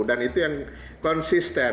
dan itu yang konsisten